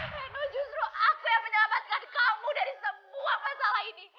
aduh justru aku yang menyelamatkan kamu dari semua masalah ini